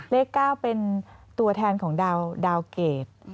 เลข๙เป็นตัวแทนของดาวเกรด